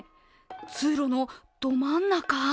通路のど真ん中。